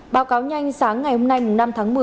báo cáo nhanh sáng ngày hôm nay năm tháng một mươi